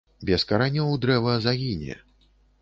Без каранёў дрэва загіне.